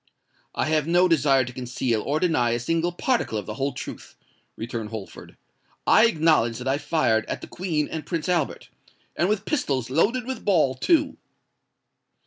"I have no desire to conceal or deny a single particle of the whole truth," returned Holford. "I acknowledge that I fired at the Queen and Prince Albert—and with pistols loaded with ball, too."